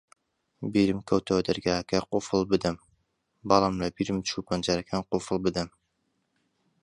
بیرم کەوتەوە دەرگاکە قوفڵ بدەم، بەڵام لەبیرم چوو پەنجەرەکان قوفڵ بدەم.